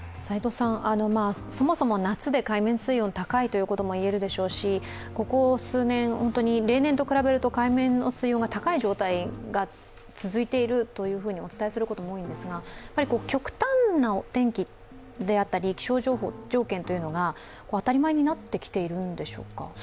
そもそも夏で海面水温が高いということが言えるでしょうし、ここ数年、例年と比べると海面水温が高い状態が続いているとお伝えすることが多いんですが極端なお天気であったり、気象条件が当たり前になってきているんでしょうか？